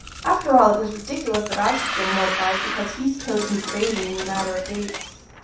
After all it was ridiculous that I should feel mortified because he supposed me crazy in the matter of dates.